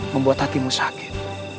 membuat hatimu sakit